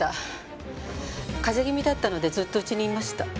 風邪気味だったのでずっと家にいました。